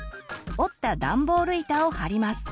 折ったダンボール板を貼ります。